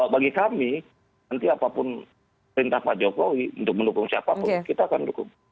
bagi kami nanti apapun perintah pak jokowi untuk mendukung siapapun kita akan dukung